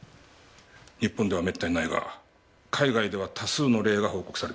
日本ではめったにないが海外では多数の例が報告されている。